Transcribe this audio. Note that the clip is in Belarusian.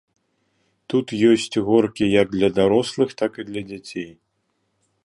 Тут ёсць горкі як для дарослых, так і для дзяцей.